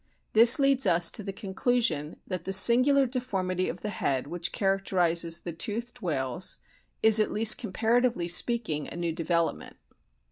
This leads us to the conclusion that the singular deformity of the head which characterises the toothed whales is, at least comparatively speaking, a new development.